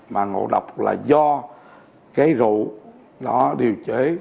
mà ngộ độc là do cái rượu